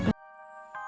mbak selalu inget